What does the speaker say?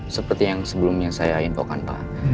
seperti yang sebelumnya saya infokan pak